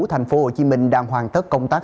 thành phố hồ chí minh đang hoàn tất công tác